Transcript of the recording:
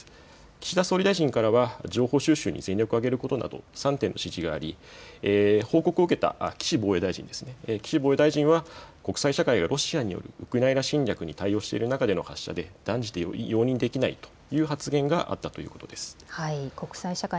岸田総理大臣からは情報収集に全力を挙げることなど３点の指示があり報告を受けた岸防衛大臣は国際社会やロシアのウクライナ侵略に対応している中での発射で断じて容認できないという発言があったということです。